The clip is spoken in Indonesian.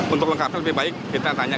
untuk lengkapnya lebih baik kita tanya